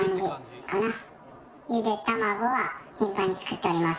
茹で卵は頻繁に作っております。